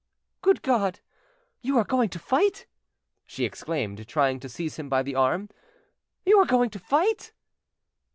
"Good God! You are going to fight!" she exclaimed, trying to seize him by the arm. "You are going to fight!"